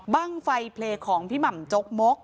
บ้างไฟเพลย์ของพี่หม่ำจกมก